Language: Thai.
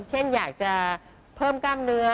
เช่นอยากจะเพิ่มกล้ามเนื้อ